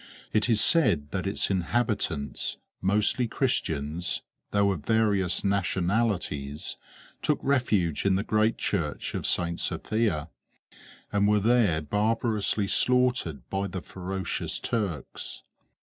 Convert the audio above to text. It is said that its inhabitants, mostly Christians, though of various nationalities, took refuge in the great church of St. Sophia, and were there barbarously slaughtered by the ferocious Turks.